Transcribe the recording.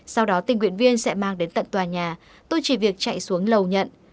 sau đó tình nguyện viên sẽ mang đến tận tòa nhà tôi chỉ việc chạy xuống lầu nhận